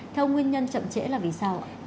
theo nguyên nhân chậm trễ là vì sao